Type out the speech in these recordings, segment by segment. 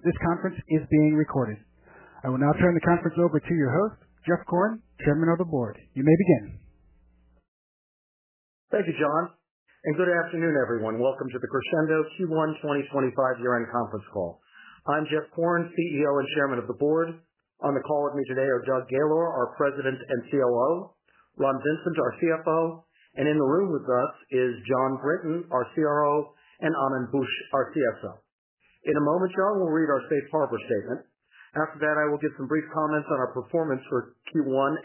This conference is being recorded. I will now turn the conference over to your host, Jeff Korn, Chairman of the Board. You may begin. Thank you, Jon. And good afternoon, everyone. Welcome to the Crexendo Q1 2025 year-end conference call. I'm Jeff Korn, CEO and Chairman of the Board. On the call with me today are Doug Gaylor, our President and COO; Ron Vincent, our CFO; and in the room with us is Jon Brinton, our CRO; and Anand Buch, our CSO. In a moment, Jon, we'll read our Safe Harbor Statement. After that, I will give some brief comments on our performance for Q1.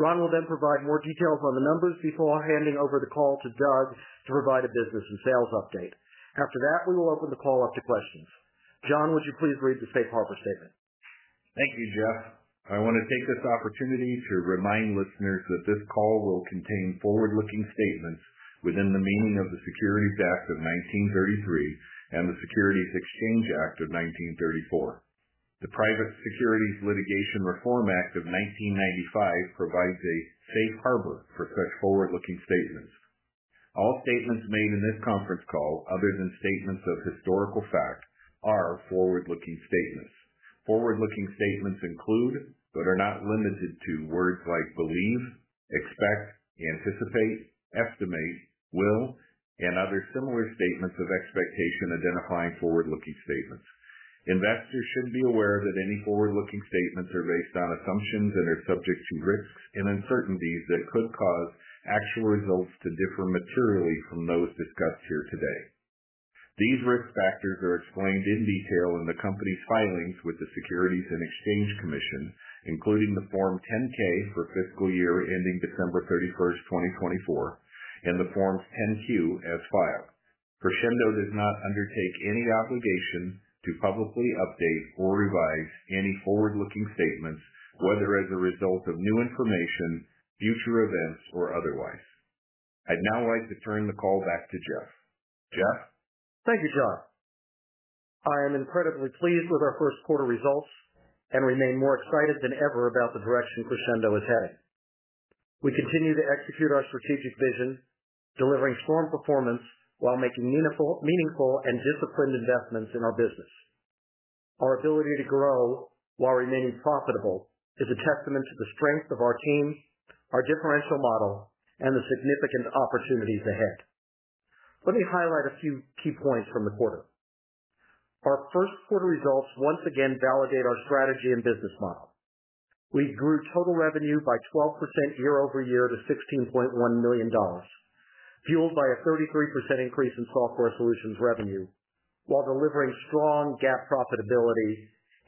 Ron will then provide more details on the numbers before handing over the call to Doug to provide a business and sales update. After that, we will open the call up to questions. Jon, would you please read the Safe Harbor Statement Thank you, Jeff. I want to take this opportunity to remind listeners that this call will contain forward-looking statements within the meaning of the Securities Act of 1933 and the Securities Exchange Act of 1934. The Private Securities Litigation Reform Act of 1995 provides a safe harbor for such forward-looking statements. All statements made in this conference call, other than statements of historical fact, are forward-looking statements. Forward-looking statements include, but are not limited to, words like believe, expect, anticipate, estimate, will, and other similar statements of expectation identifying forward-looking statements. Investors should be aware that any forward-looking statements are based on assumptions and are subject to risks and uncertainties that could cause actual results to differ materially from those discussed here today. These risk factors are explained in detail in the company's filings with the Securities and Exchange Commission, including the Form 10-K for fiscal year ending December 31st, 2024, and the Forms 10-Q as filed. Crexendo does not undertake any obligation to publicly update or revise any forward-looking statements, whether as a result of new information, future events, or otherwise. I'd now like to turn the call back to Jeff. Jeff? Thank you, Jon. I am incredibly pleased with our first quarter results and remain more excited than ever about the direction Crexendo is heading. We continue to execute our strategic vision, delivering strong performance while making meaningful and disciplined investments in our business. Our ability to grow while remaining profitable is a testament to the strength of our team, our differential model, and the significant opportunities ahead. Let me highlight a few key points from the quarter. Our first quarter results once again validate our strategy and business model. We grew total revenue by 12% year-over-year to $16.1 million, fueled by a 33% increase in software solutions revenue, while delivering strong GAAP profitability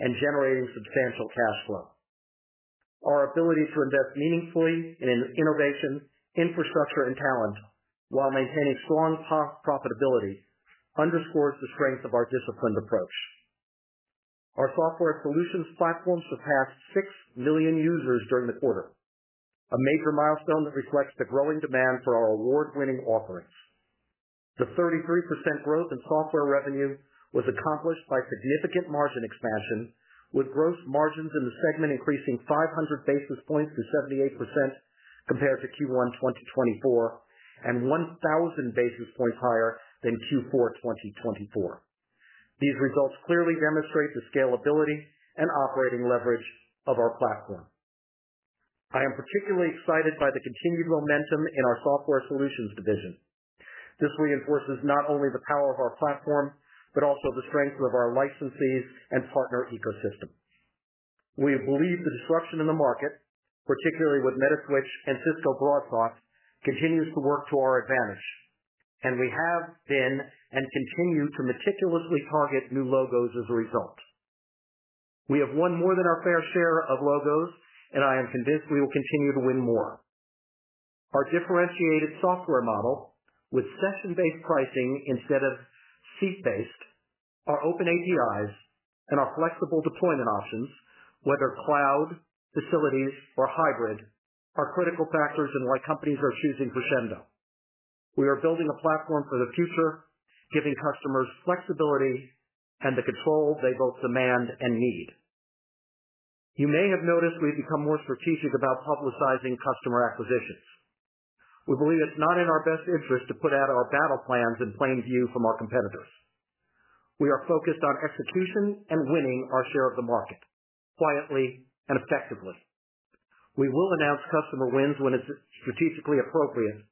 and generating substantial cash flow. Our ability to invest meaningfully in innovation, infrastructure, and talent, while maintaining strong profitability, underscores the strength of our disciplined approach. Our software solutions platform surpassed six million users during the quarter, a major milestone that reflects the growing demand for our award-winning offerings. The 33% growth in software revenue was accomplished by significant margin expansion, with gross margins in the segment increasing 500 basis points to 78% compared to Q1 2024 and 1,000 basis points higher than Q4 2024. These results clearly demonstrate the scalability and operating leverage of our platform. I am particularly excited by the continued momentum in our software solutions division. This reinforces not only the power of our platform but also the strength of our licensees and partner ecosystem. We believe the disruption in the market, particularly with Metaswitch and Cisco BroadSoft, continues to work to our advantage, and we have been and continue to meticulously target new logos as a result. We have won more than our fair share of logos, and I am convinced we will continue to win more. Our differentiated software model, with session-based pricing instead of seat-based, our open APIs, and our flexible deployment options, whether cloud, facilities, or hybrid, are critical factors in why companies are choosing Crexendo. We are building a platform for the future, giving customers flexibility and the control they both demand and need. You may have noticed we've become more strategic about publicizing customer acquisitions. We believe it's not in our best interest to put out our battle plans in plain view from our competitors. We are focused on execution and winning our share of the market quietly and effectively. We will announce customer wins when it's strategically appropriate,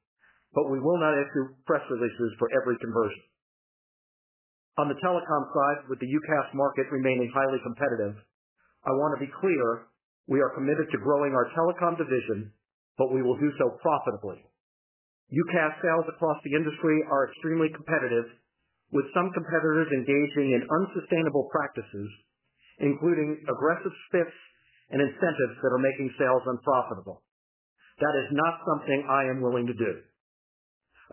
but we will not issue press releases for every conversion. On the telecom side, with the UCaaS market remaining highly competitive, I want to be clear: we are committed to growing our telecom division, but we will do so profitably. UCaaS sales across the industry are extremely competitive, with some competitors engaging in unsustainable practices, including aggressive spiffs and incentives that are making sales unprofitable. That is not something I am willing to do.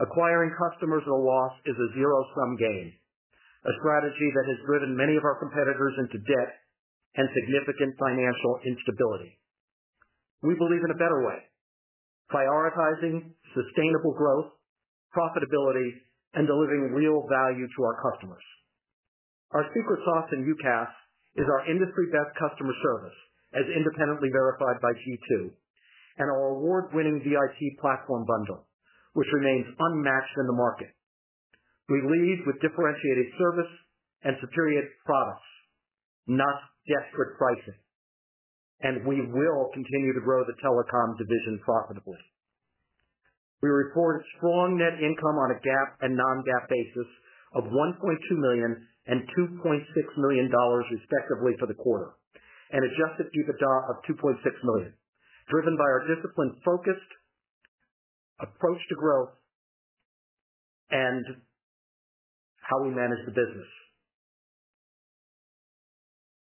Acquiring customers at a loss is a zero-sum game, a strategy that has driven many of our competitors into debt and significant financial instability. We believe in a better way: prioritizing sustainable growth, profitability, and delivering real value to our customers. Our secret sauce in UCaaS is our industry-best customer service, as independently verified by G2, and our award-winning VIP platform bundle, which remains unmatched in the market. We lead with differentiated service and superior products, not desperate pricing, and we will continue to grow the telecom division profitably. We report a strong net income on a GAAP and non-GAAP basis of $1.2 million-$2.6 million, respectively, for the quarter and adjusted EBITDA of $2.6 million, driven by our discipline-focused approach to growth and how we manage the business.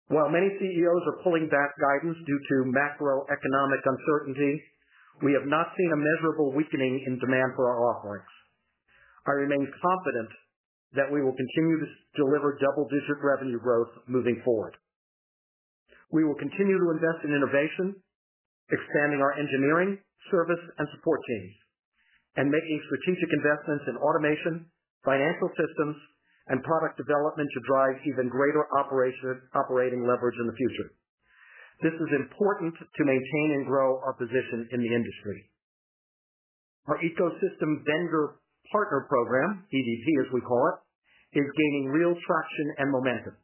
While many CEOs are pulling back guidance due to macroeconomic uncertainty, we have not seen a measurable weakening in demand for our offerings. I remain confident that we will continue to deliver double-digit revenue growth moving forward. We will continue to invest in innovation, expanding our engineering, service, and support teams, and making strategic investments in automation, financial systems, and product development to drive even greater operating leverage in the future. This is important to maintain and grow our position in the industry. Our ecosystem vendor partner program, EVP, as we call it, is gaining real traction and momentum.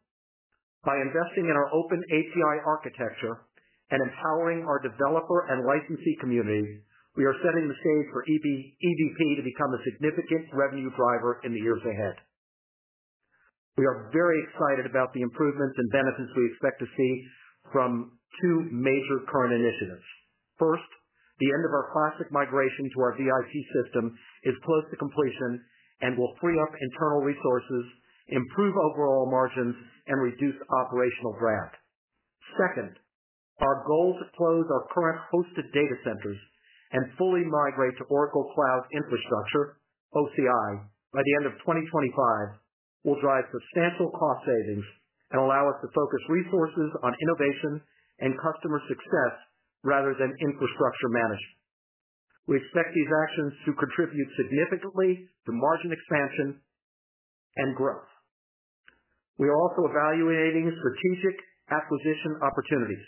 By investing in our open API architecture and empowering our developer and licensee community, we are setting the stage for EVP to become a significant revenue driver in the years ahead. We are very excited about the improvements and benefits we expect to see from two major current initiatives. First, the end of our classic migration to our VIP system is close to completion and will free up internal resources, improve overall margins, and reduce operational draft. Second, our goal to close our current hosted data centers and fully migrate to Oracle Cloud Infrastructure, OCI, by the end of 2025, will drive substantial cost savings and allow us to focus resources on innovation and customer success rather than infrastructure management. We expect these actions to contribute significantly to margin expansion and growth. We are also evaluating strategic acquisition opportunities.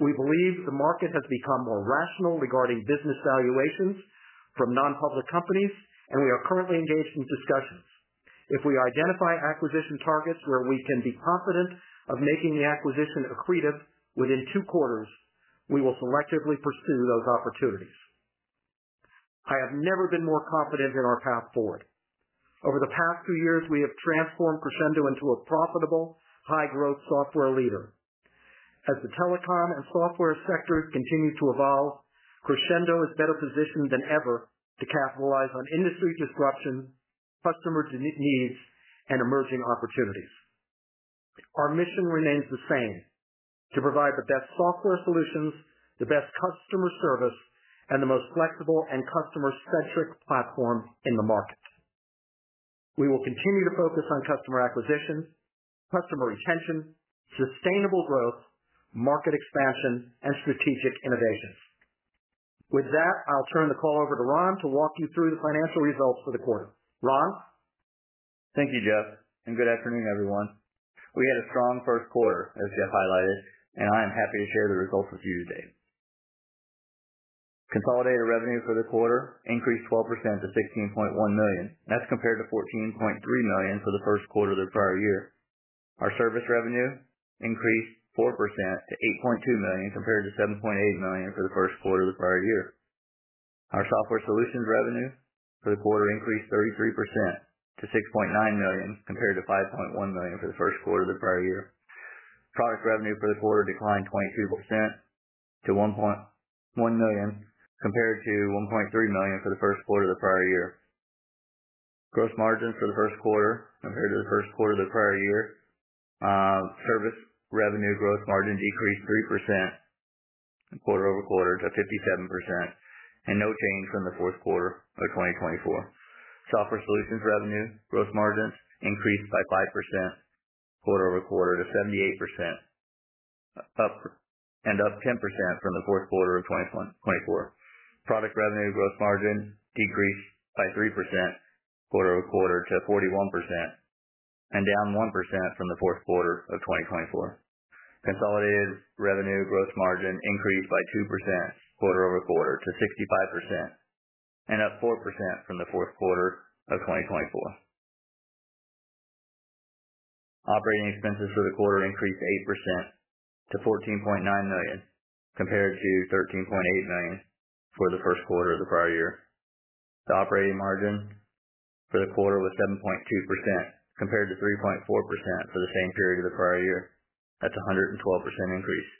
We believe the market has become more rational regarding business valuations from non-public companies, and we are currently engaged in discussions. If we identify acquisition targets where we can be confident of making the acquisition accretive within two quarters, we will selectively pursue those opportunities. I have never been more confident in our path forward. Over the past two years, we have transformed Crexendo into a profitable, high-growth software leader. As the telecom and software sectors continue to evolve, Crexendo is better positioned than ever to capitalize on industry disruption, customer needs, and emerging opportunities. Our mission remains the same: to provide the best software solutions, the best customer service, and the most flexible and customer-centric platform in the market. We will continue to focus on customer acquisition, customer retention, sustainable growth, market expansion, and strategic innovations. With that, I'll turn the call over to Ron to walk you through the financial results for the quarter. Ron? Thank you, Jeff, and good afternoon, everyone. We had a strong first quarter, as Jeff highlighted, and I am happy to share the results with you today. Consolidated revenue for the quarter increased 12% to $16.1 million. That's compared to $14.3 million for the first quarter of the prior year. Our service revenue increased 4% to $8.2 million compared to $7.8 million for the first quarter of the prior year. Our software solutions revenue for the quarter increased 33% to $6.9 million compared to $5.1 million for the first quarter of the prior year. Product revenue for the quarter declined 22% to $1.1 million compared to $1.3 million for the first quarter of the prior year. Gross margins for the first quarter compared to the first quarter of the prior year. Service revenue gross margin decreased 3% quarter over quarter to 57% and no change from the fourth quarter of 2024. Software solutions revenue gross margins increased by 5% quarter over quarter to 78% and up 10% from the fourth quarter of 2024. Product revenue gross margin decreased by 3% quarter over quarter to 41% and down 1% from the fourth quarter of 2024. Consolidated revenue gross margin increased by 2% quarter over quarter to 65% and up 4% from the fourth quarter of 2024. Operating expenses for the quarter increased 8% to $14.9 million compared to $13.8 million for the first quarter of the prior year. The operating margin for the quarter was 7.2% compared to 3.4% for the same period of the prior year. That's a 112% increase.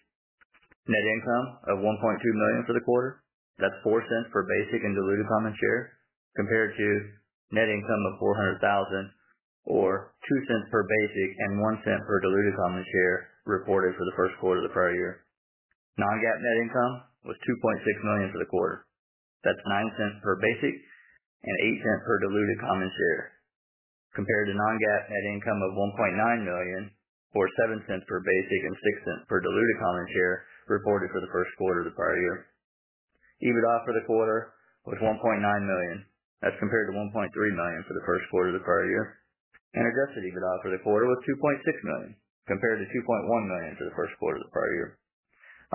Net income of $1.2 million for the quarter. That's $0.04 per basic and diluted common share compared to net income of $400,000 or $0.02 per basic and $0.01 per diluted common share reported for the first quarter of the prior year. Non-GAAP net income was $2.6 million for the quarter. That's $0.09 per basic and $0.08 per diluted common share compared to non-GAAP net income of $1.9 million or $0.07 per basic and $0.06 per diluted common share reported for the first quarter of the prior year. EBITDA for the quarter was $1.9 million. That's compared to $1.3 million for the first quarter of the prior year. Adjusted EBITDA for the quarter was $2.6 million compared to $2.1 million for the first quarter of the prior year.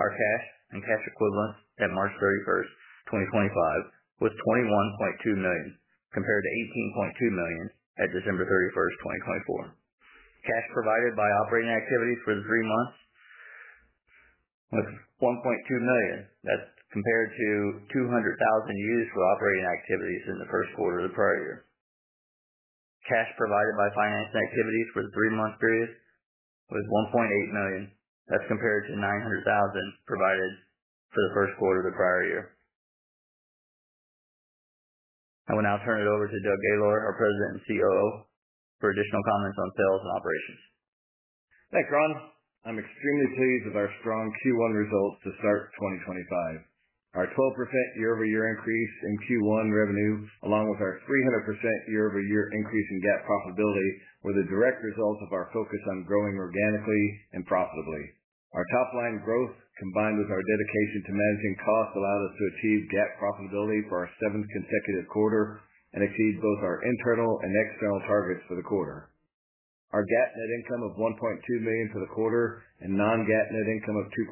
Our cash and cash equivalents at March 31, 2025, was $21.2 million compared to $18.2 million at December 31st, 2024. Cash provided by operating activities for the three months was $1.2 million. That's compared to $200,000 used for operating activities in the first quarter of the prior year. Cash provided by financing activities for the three-month period was $1.8 million. That's compared to $900,000 provided for the first quarter of the prior year. I will now turn it over to Doug Gaylor, our President and COO, for additional comments on sales and operations. Thanks, Ron. I'm extremely pleased with our strong Q1 results to start 2025. Our 12% year-over-year increase in Q1 revenue, along with our 300% year-over-year increase in GAAP profitability, were the direct results of our focus on growing organically and profitably. Our top-line growth, combined with our dedication to managing costs, allowed us to achieve GAAP profitability for our seventh consecutive quarter and exceed both our internal and external targets for the quarter. Our GAAP net income of $1.2 million for the quarter and non-GAAP net income of $2.6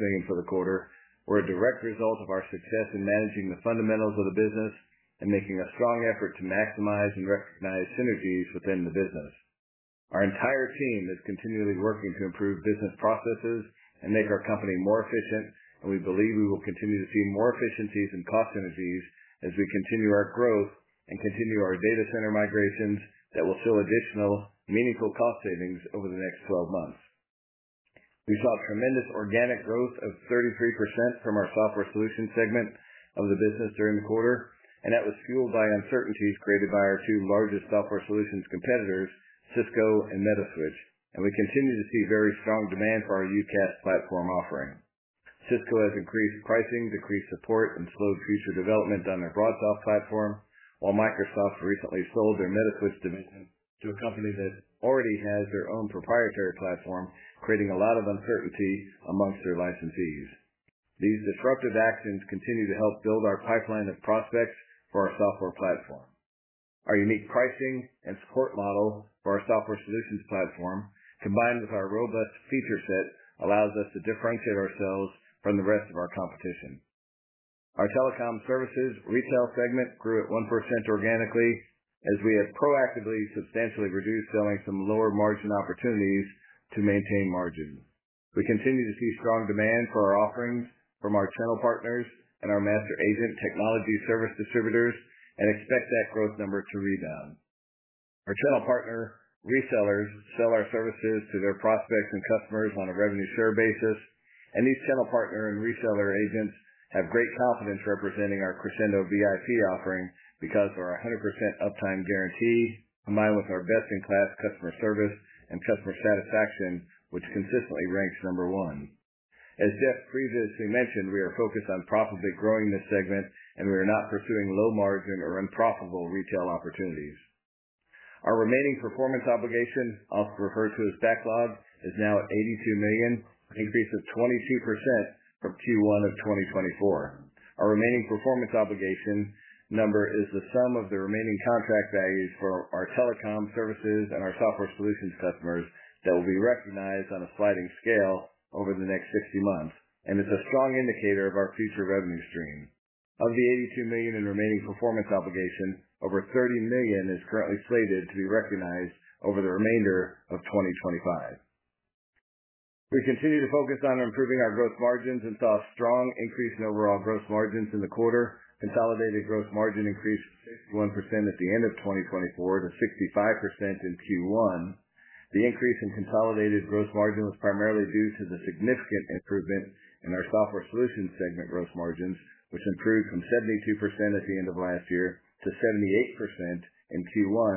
million for the quarter were a direct result of our success in managing the fundamentals of the business and making a strong effort to maximize and recognize synergies within the business. Our entire team is continually working to improve business processes and make our company more efficient, and we believe we will continue to see more efficiencies and cost synergies as we continue our growth and continue our data center migrations that will show additional meaningful cost savings over the next 12 months. We saw tremendous organic growth of 33% from our software solutions segment of the business during the quarter, and that was fueled by uncertainties created by our two largest software solutions competitors, Cisco and Metaswitch. We continue to see very strong demand for our UCaaS platform offering. Cisco has increased pricing, decreased support, and slowed future development on their BroadSoft platform, while Microsoft recently sold their Metaswitch division to a company that already has their own proprietary platform, creating a lot of uncertainty amongst their licensees. These disruptive actions continue to help build our pipeline of prospects for our software platform. Our unique pricing and support model for our software solutions platform, combined with our robust feature set, allows us to differentiate ourselves from the rest of our competition. Our telecom services retail segment grew at 1% organically as we have proactively substantially reduced selling some lower margin opportunities to maintain margins. We continue to see strong demand for our offerings from our channel partners and our master agent technology service distributors and expect that growth number to rebound. Our channel partner resellers sell our services to their prospects and customers on a revenue share basis, and these channel partner and reseller agents have great confidence representing our Crexendo VIP offering because of our 100% uptime guarantee, combined with our best-in-class customer service and customer satisfaction, which consistently ranks number one. As Jeff previously mentioned, we are focused on profitably growing this segment, and we are not pursuing low-margin or unprofitable retail opportunities. Our remaining performance obligation, often referred to as backlog, is now at $82 million, an increase of 22% from Q1 of 2024. Our remaining performance obligation number is the sum of the remaining contract values for our telecom services and our software solutions customers that will be recognized on a sliding scale over the next 60 months, and it's a strong indicator of our future revenue stream. Of the $82 million in remaining performance obligation, over $30 million is currently slated to be recognized over the remainder of 2025. We continue to focus on improving our gross margins and saw a strong increase in overall gross margins in the quarter. Consolidated gross margin increased from 61% at the end of 2024 to 65% in Q1. The increase in consolidated gross margin was primarily due to the significant improvement in our software solutions segment gross margins, which improved from 72% at the end of last year to 78% in Q1,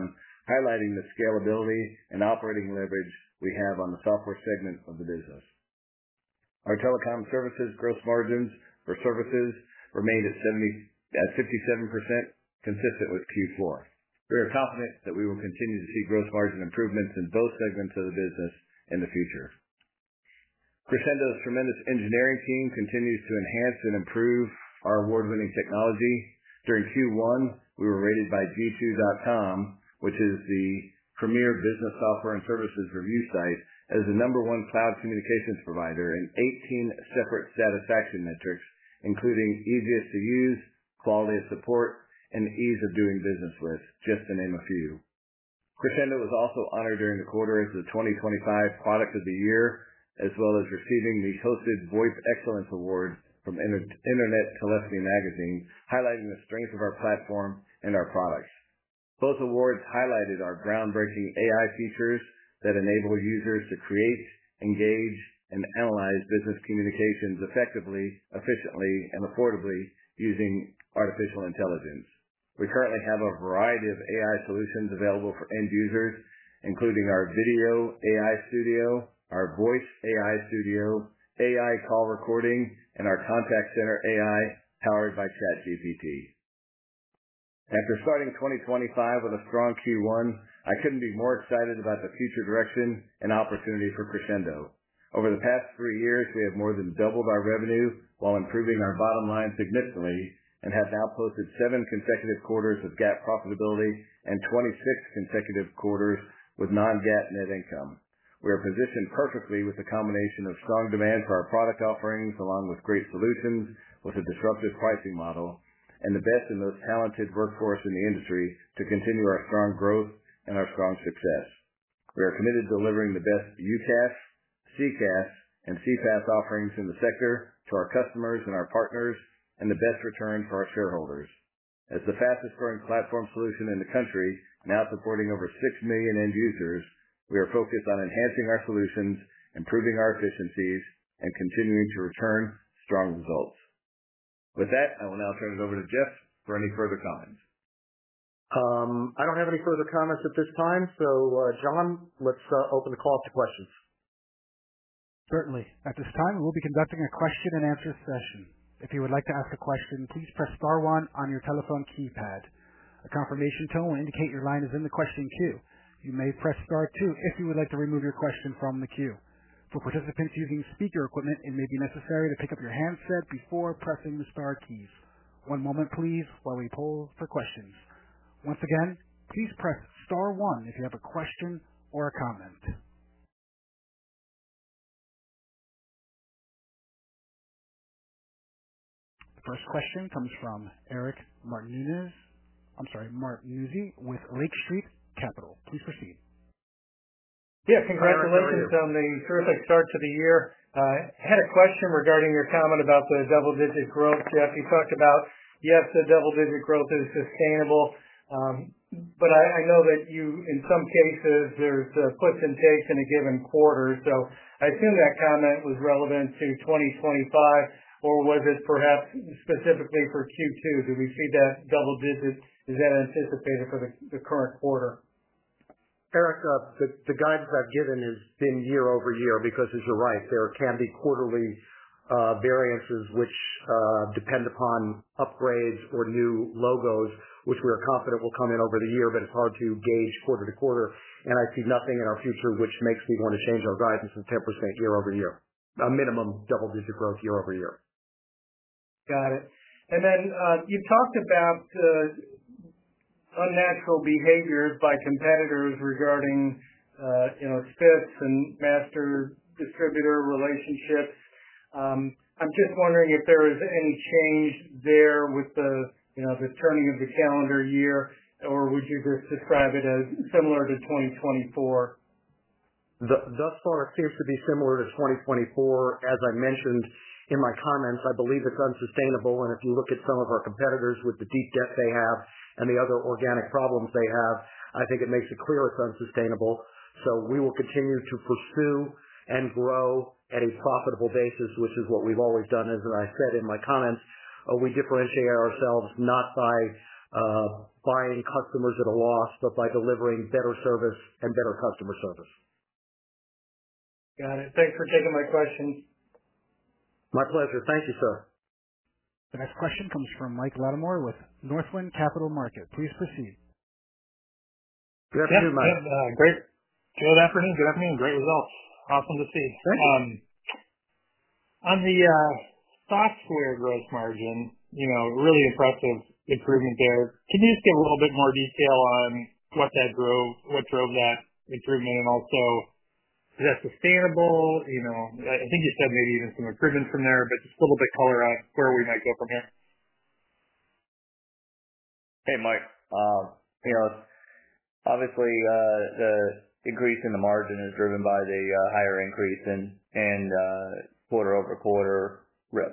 highlighting the scalability and operating leverage we have on the software segment of the business. Our telecom services gross margins for services remained at 57%, consistent with Q4. We are confident that we will continue to see gross margin improvements in both segments of the business in the future. Crexendo's tremendous engineering team continues to enhance and improve our award-winning technology. During Q1, we were rated by G2, which is the premier business software and services review site, as the number one cloud communications provider in 18 separate satisfaction metrics, including easiest-to-use, quality of support, and ease of doing business with, just to name a few. Crexendo was also honored during the quarter as the 2025 Product of the Year, as well as receiving the Hosted VoIP Excellence Award from Internet Telephony Magazine, highlighting the strength of our platform and our products. Both awards highlighted our groundbreaking AI features that enable users to create, engage, and analyze business communications effectively, efficiently, and affordably using artificial intelligence. We currently have a variety of AI solutions available for end users, including our Video AI Studio, our Voice AI Studio, AI Call Recording, and our Contact Center AI powered by ChatGPT. After starting 2025 with a strong Q1, I could not be more excited about the future direction and opportunity for Crexendo. Over the past three years, we have more than doubled our revenue while improving our bottom line significantly and have now posted seven consecutive quarters of GAAP profitability and 26 consecutive quarters with non-GAAP net income. We are positioned perfectly with the combination of strong demand for our product offerings along with great solutions with a disruptive pricing model and the best and most talented workforce in the industry to continue our strong growth and our strong success. We are committed to delivering the best UCaaS, CCaaS, and CPaaS offerings in the sector to our customers and our partners and the best return for our shareholders. As the fastest-growing platform solution in the country, now supporting over six million end users, we are focused on enhancing our solutions, improving our efficiencies, and continuing to return strong results. With that, I will now turn it over to Jeff for any further comments. I don't have any further comments at this time. John, let's open the call to questions. Certainly. At this time, we'll be conducting a question-and-answer session. If you would like to ask a question, please press Star 1 on your telephone keypad. A confirmation tone will indicate your line is in the question queue. You may press star two if you would like to remove your question from the queue. For participants using speaker equipment, it may be necessary to pick up your handset before pressing the star keys. One moment, please, while we poll for questions. Once again, please press star one if you have a question or a comment. The first question comes from Eric Martinuzzi with Lake Street Capital. Please proceed. Yeah. Congratulations on the terrific start to the year. I had a question regarding your comment about the double-digit growth, Jeff. You talked about, yes, the double-digit growth is sustainable, but I know that in some cases, there's puts and takes in a given quarter. I assume that comment was relevant to 2025, or was it perhaps specifically for Q2? Do we see that double-digit, is that anticipated for the current quarter? Eric, the guidance I've given has been year-over-year because, as you're right, there can be quarterly variances which depend upon upgrades or new logos, which we are confident will come in over the year, but it's hard to gauge quarter to quarter. I see nothing in our future which makes me want to change our guidance to 10% year-over-year, a minimum double-digit growth year-over-year. Got it. You talked about unnatural behaviors by competitors regarding spits and master distributor relationships. I'm just wondering if there is any change there with the turning of the calendar year, or would you just describe it as similar to 2024? Thus far, it seems to be similar to 2024. As I mentioned in my comments, I believe it's unsustainable. If you look at some of our competitors with the deep debt they have and the other organic problems they have, I think it makes it clear it's unsustainable. We will continue to pursue and grow at a profitable basis, which is what we've always done. As I said in my comments, we differentiate ourselves not by buying customers at a loss, but by delivering better service and better customer service. Got it. Thanks for taking my question. My pleasure. Thank you, sir. The next question comes from Mike Lattimore with Northland Capital Markets. Please proceed. Good afternoon, Mike. Good afternoon. Great results. Awesome to see. On the software gross margin, really impressive improvement there. Can you just give a little bit more detail on what drove that improvement and also is that sustainable? I think you said maybe even some improvements from there, but just a little bit color on where we might go from here. Hey, Mike. Obviously, the increase in the margin is driven by the higher increase in quarter-over-quarter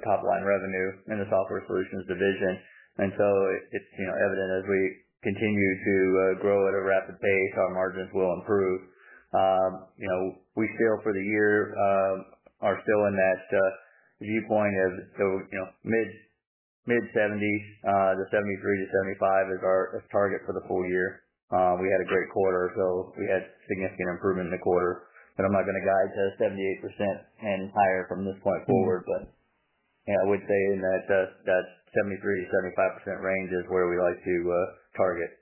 top-line revenue in the software solutions division. It is evident as we continue to grow at a rapid pace, our margins will improve. We still, for the year, are still in that viewpoint of mid-70s. The 73%-75% is our target for the full year. We had a great quarter, so we had significant improvement in the quarter. I am not going to guide to 78% and higher from this point forward, but I would say in that 73%-75% range is where we like to target.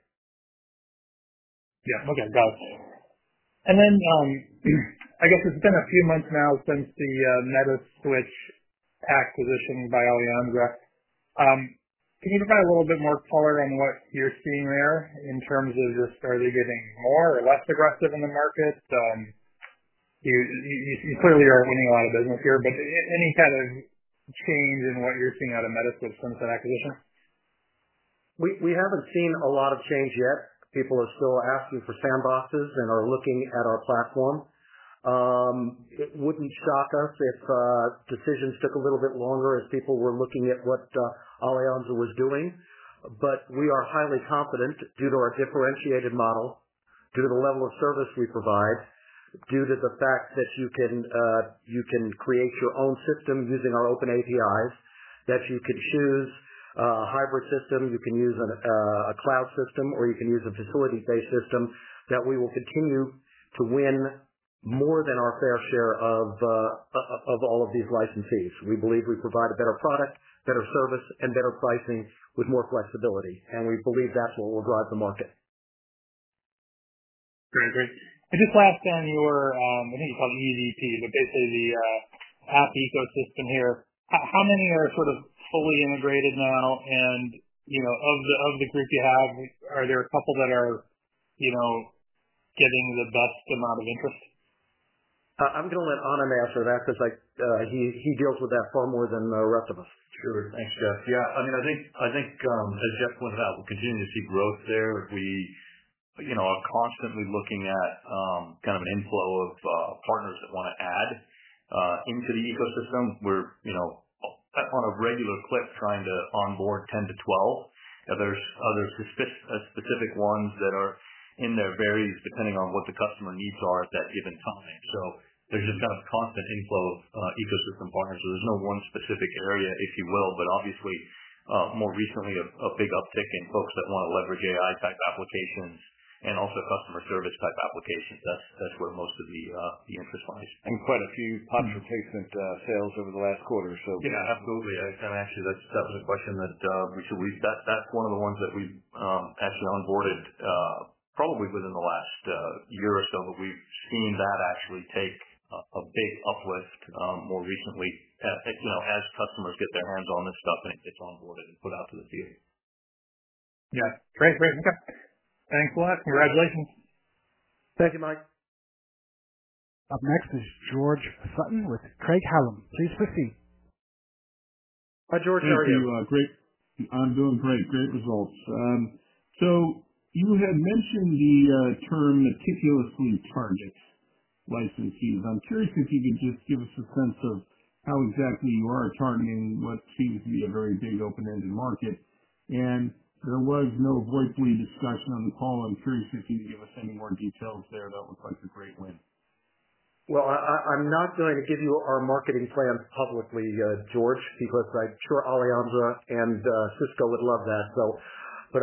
Yeah. Okay. Got it. I guess it's been a few months now since the Metaswitch acquisition by Microsoft. Can you provide a little bit more color on what you're seeing there in terms of just are they getting more or less aggressive in the market? You clearly are winning a lot of business here, but any kind of change in what you're seeing out of Metaswitch since that acquisition? We haven't seen a lot of change yet. People are still asking for sandboxes and are looking at our platform. It wouldn't shock us if decisions took a little bit longer as people were looking at what Avaya was doing. We are highly confident due to our differentiated model, due to the level of service we provide, due to the fact that you can create your own system using our open APIs, that you can choose a hybrid system, you can use a cloud system, or you can use a facility-based system that we will continue to win more than our fair share of all of these licensees. We believe we provide a better product, better service, and better pricing with more flexibility. We believe that's what will drive the market. Very good. And just last on your, I think you called it EVP, but basically the app ecosystem here. How many are sort of fully integrated now? And of the group you have, are there a couple that are getting the best amount of interest? I'm going to let Anand answer that because he deals with that far more than the rest of us. Sure. Thanks, Jeff. Yeah. I mean, I think, as Jeff pointed out, we're continuing to see growth there. We are constantly looking at kind of an inflow of partners that want to add into the ecosystem. We're on a regular clip trying to onboard 10-12. There are specific ones that are in there, varies depending on what the customer needs are at that given time. There is just kind of a constant inflow of ecosystem partners. There is no one specific area, if you will, but obviously, more recently, a big uptick in folks that want to leverage AI-type applications and also customer service-type applications. That is where most of the interest lies. Quite a few contemplation sales over the last quarter. Yeah, absolutely. Actually, that was a question that we should—we've got—that's one of the ones that we've actually onboarded probably within the last year or so, but we've seen that actually take a big uplift more recently as customers get their hands on this stuff and it gets onboarded and put out to the field. Yeah. Great. Great. Okay. Thanks a lot. Congratulations. Thank you, Mike. Up next is George Sutton with Craig-Hallum. Please proceed. Hi, George. How are you? Thank you. I'm doing great. Great results. You had mentioned the term meticulously target licensees. I'm curious if you could just give us a sense of how exactly you are targeting what seems to be a very big open-ended market. There was no VoIPly discussion on the call. I'm curious if you could give us any more details there. That looks like a great win. I'm not going to give you our marketing plans publicly, George, because I'm sure Avaya and Cisco would love that.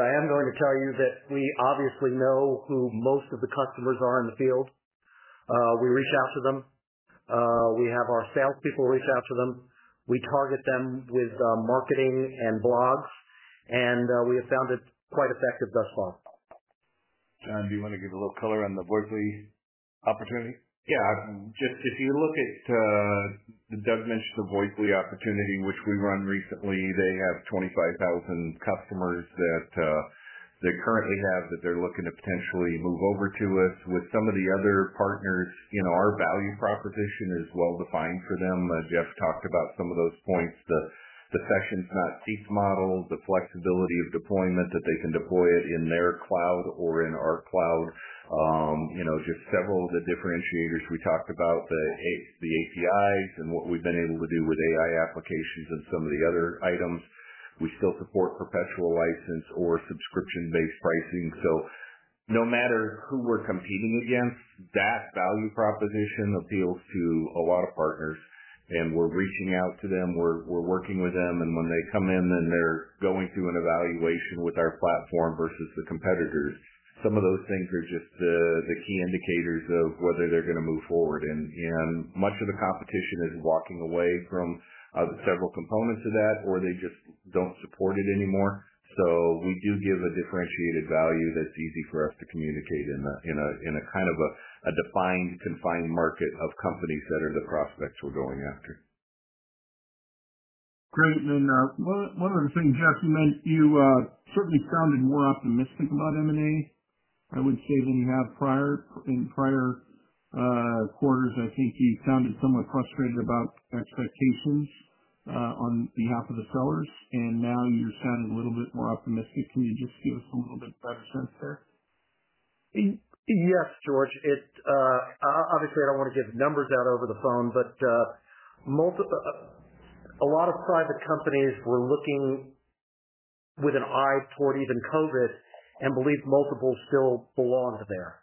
I am going to tell you that we obviously know who most of the customers are in the field. We reach out to them. We have our salespeople reach out to them. We target them with marketing and blogs, and we have found it quite effective thus far. John, do you want to give a little color on the VoIPly opportunity? Yeah. Just if you look at Doug mentioned the VoIPly opportunity, which we won recently. They have 25,000 customers that they currently have that they're looking to potentially move over to us. With some of the other partners, our value proposition is well-defined for them. Jeff talked about some of those points: the sessions, not seats model, the flexibility of deployment, that they can deploy it in their cloud or in our cloud. Just several of the differentiators we talked about, the APIs and what we've been able to do with AI applications and some of the other items. We still support perpetual license or subscription-based pricing. No matter who we're competing against, that value proposition appeals to a lot of partners, and we're reaching out to them. We're working with them. When they come in and they're going through an evaluation with our platform versus the competitors, some of those things are just the key indicators of whether they're going to move forward. Much of the competition is walking away from several components of that, or they just don't support it anymore. We do give a differentiated value that's easy for us to communicate in a kind of a defined, confined market of companies that are the prospects we're going after. Great. One of the things, Jeff, you certainly sounded more optimistic about M&A, I would say, than you have prior. In prior quarters, I think you sounded somewhat frustrated about expectations on behalf of the sellers. Now you're sounding a little bit more optimistic. Can you just give us a little bit better sense there? Yes, George. Obviously, I don't want to give numbers out over the phone, but a lot of private companies were looking with an eye toward even COVID and believed multiples still belonged there.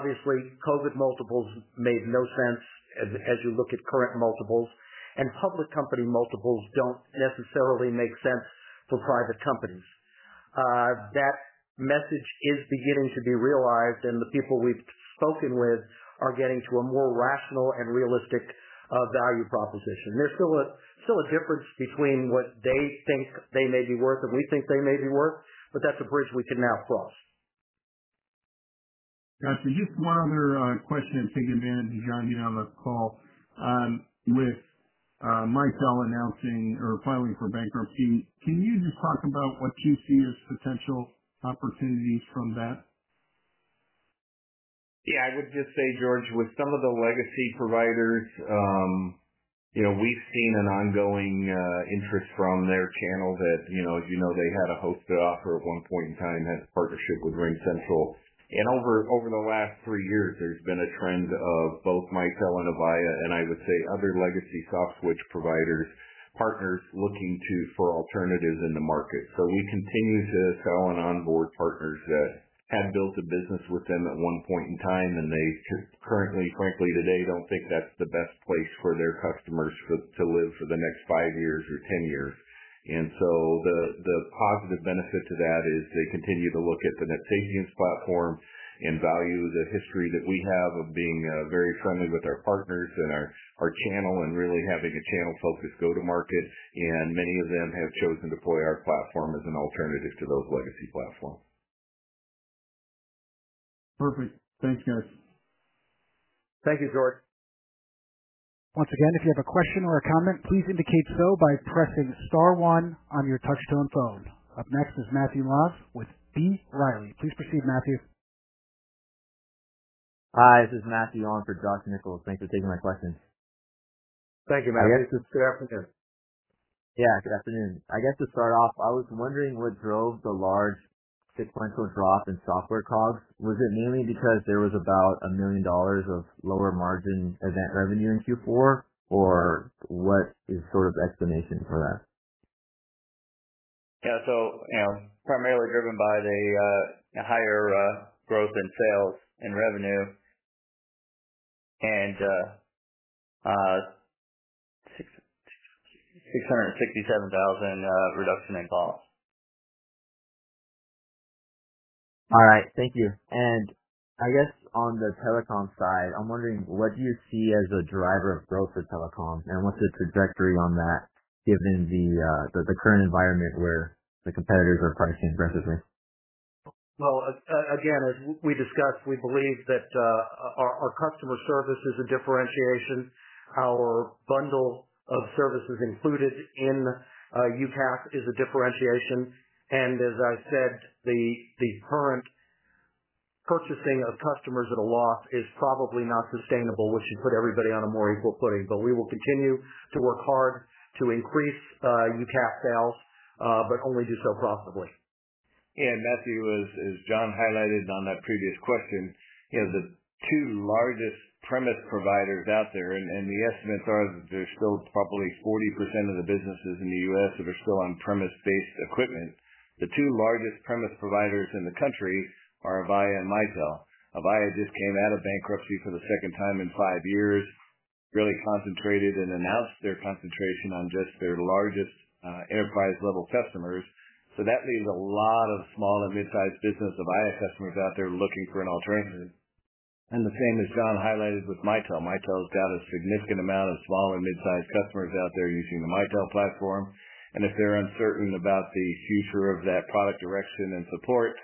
Obviously, COVID multiples made no sense as you look at current multiples, and public company multiples don't necessarily make sense for private companies. That message is beginning to be realized, and the people we've spoken with are getting to a more rational and realistic value proposition. There's still a difference between what they think they may be worth and we think they may be worth, but that's a bridge we can now cross. Gotcha. Just one other question to take advantage of Jon getting on the call. With Mitel announcing or filing for bankruptcy, can you just talk about what you see as potential opportunities from that? Yeah. I would just say, George, with some of the legacy providers, we've seen an ongoing interest from their channel that, as you know, they had a hosted offer at one point in time, had a partnership with RingCentral. Over the last three years, there's been a trend of both Mitel and Avaya, and I would say other legacy soft switch providers, partners looking for alternatives in the market. We continue to sell and onboard partners that had built a business with them at one point in time, and they currently, frankly, today, don't think that's the best place for their customers to live for the next five years or ten years. The positive benefit to that is they continue to look at the NetSapiens platform and value the history that we have of being very friendly with our partners and our channel and really having a channel-focused go-to-market. Many of them have chosen to deploy our platform as an alternative to those legacy platforms. Perfect. Thanks, guys. Thank you, George. Once again, if you have a question or a comment, please indicate so by pressing star one on your touch-tone phone. Up next is Matthew Maus with B. Riley. Please proceed, Matthew. Hi. This is Matthew on for Josh Nichols. Thanks for taking my question. Thank you, Matthew. Good afternoon. Yeah. Good afternoon. I guess to start off, I was wondering what drove the large sequential drop in software COGS. Was it mainly because there was about $1 million of lower margin event revenue in Q4, or what is sort of the explanation for that? Yeah. So primarily driven by the higher growth in sales and revenue and $667,000 reduction in costs. All right. Thank you. I guess on the telecom side, I'm wondering, what do you see as a driver of growth for telecom, and what's the trajectory on that given the current environment where the competitors are pricing aggressively? As we discussed, we believe that our customer service is a differentiation. Our bundle of services included in UCaaS is a differentiation. As I said, the current purchasing of customers at a loss is probably not sustainable, which should put everybody on a more equal footing. We will continue to work hard to increase UCaaS sales, but only do so profitably. Matthew, as Jon highlighted on that previous question, the two largest premise providers out there, and the estimates are that there's still probably 40% of the businesses in the U.S. that are still on premise-based equipment. The two largest premise providers in the country are Avaya and Mitel. Avaya just came out of bankruptcy for the second time in five years, really concentrated and announced their concentration on just their largest enterprise-level customers. That leaves a lot of small and mid-sized business Avaya customers out there looking for an alternative. The same as Jon highlighted with Mitel. Mitel's got a significant amount of small and mid-sized customers out there using the Mitel platform. If they're uncertain about the future of that product direction and support,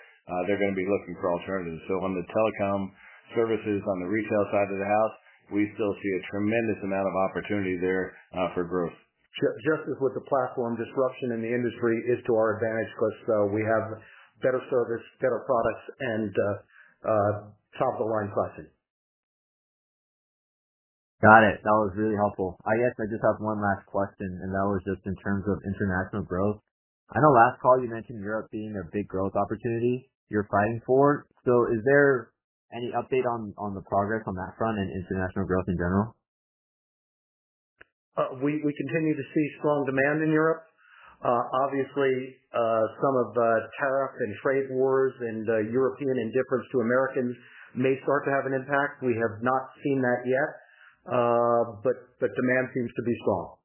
they're going to be looking for alternatives. On the telecom services, on the retail side of the house, we still see a tremendous amount of opportunity there for growth. Just with the platform disruption in the industry, it's to our advantage because we have better service, better products, and top-of-the-line pricing. Got it. That was really helpful. I guess I just have one last question, and that was just in terms of international growth. I know last call you mentioned Europe being a big growth opportunity you're fighting for. Is there any update on the progress on that front and international growth in general? We continue to see strong demand in Europe. Obviously, some of the tariff and trade wars and European indifference to Americans may start to have an impact. We have not seen that yet, but demand seems to be strong.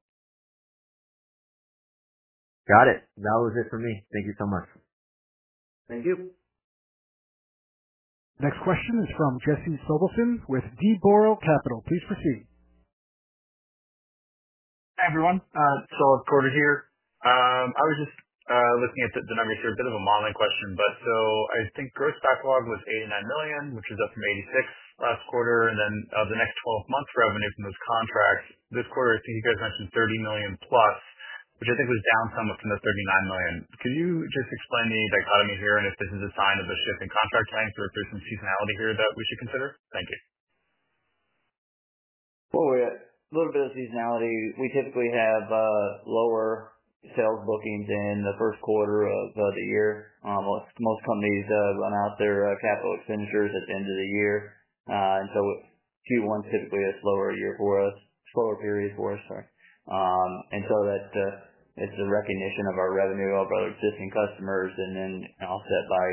Got it. That was it for me. Thank you so much. Thank you. Next question is from Jesse Silverson with D.A. Davidson. Please proceed. Hi, everyone. It's all recorded here. I was just looking at the numbers here. A bit of a monitoring question, but I think gross backlog was $89 million, which is up from $86 million last quarter. Then the next 12 months' revenue from those contracts, this quarter, I think you guys mentioned $30 million +, which I think was down somewhat from the $39 million. Could you just explain the dichotomy here and if this is a sign of a shift in contract length or if there's some seasonality here that we should consider? Thank you. We had a little bit of seasonality. We typically have lower sales bookings in the first quarter of the year. Most companies run out their capital expenditures at the end of the year. Q1 is typically a slower period for us, sorry. That is the recognition of our revenue of our existing customers and then offset by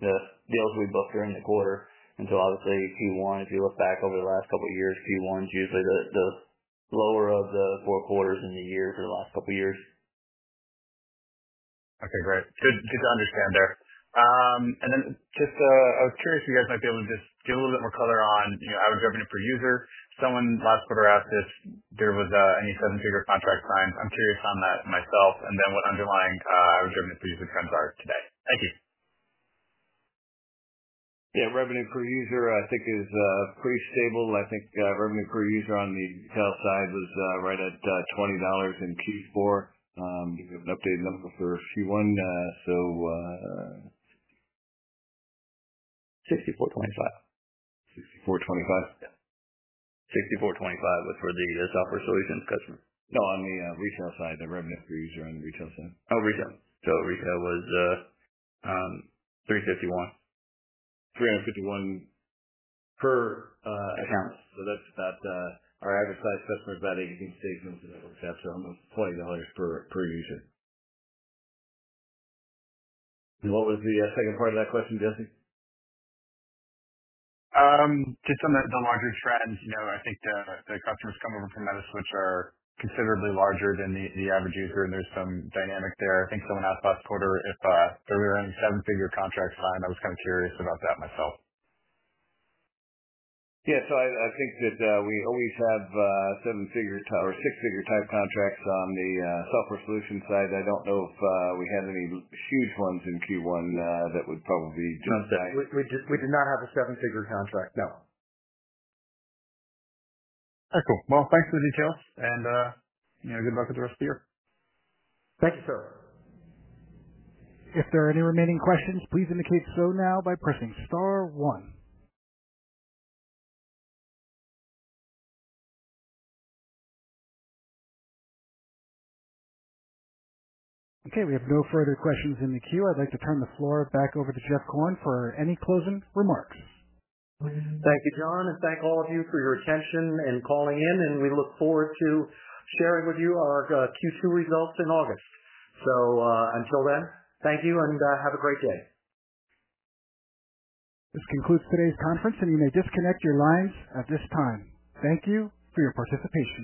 the deals we book during the quarter. Obviously, Q1, if you look back over the last couple of years, Q1 is usually the lower of the four quarters in the year for the last couple of years. Okay. Great. Good to understand there. I was curious if you guys might be able to just give a little bit more color on average revenue per user. Someone last quarter asked if there was any seven-figure contract signs. I'm curious on that myself. What underlying average revenue per user trends are today. Thank you. Yeah. Revenue per user, I think, is pretty stable. I think revenue per user on the sales side was right at $20 in Q4. We have an updated number for Q1, so. 64.25. 64.25. $64.25 was for the software solutions customer. No, on the retail side, the revenue per user on the retail side. Oh, retail. Retail was 351. $351 per account. That's about our average size customer is about 18 states and whatever it's at. Almost $20 per user. What was the second part of that question, Jesse? Just on the larger trends, I think the customers coming over from Metaswitch are considerably larger than the average user, and there's some dynamic there. I think someone asked last quarter if there were any seven-figure contracts signed. I was kind of curious about that myself. Yeah. I think that we always have seven-figure or six-figure type contracts on the software solution side. I do not know if we had any huge ones in Q1. That would probably just. We did not have a seven-figure contract. No. Excellent. Thanks for the details, and good luck with the rest of the year. Thank you, sir. If there are any remaining questions, please indicate so now by pressing star one. Okay. We have no further questions in the queue. I'd like to turn the floor back over to Jeff Korn for any closing remarks. Thank you, Jon, and thank all of you for your attention and calling in. We look forward to sharing with you our Q2 results in August. Until then, thank you and have a great day. This concludes today's conference, and you may disconnect your lines at this time. Thank you for your participation.